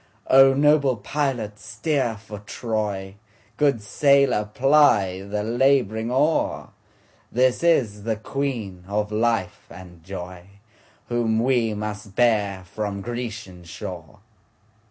O noble pilot steer for Troy, Good sailor ply the labouring oar, This is the Queen of life and joyWhom we must bear from Grecian shore!